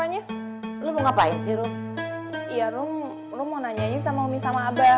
ya rum lo mau nanya aja sama umi sama abah